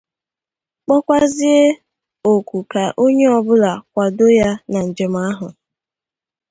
kpọkwazie òkù ka onye ọbụla kwàdo ya na njem ahụ.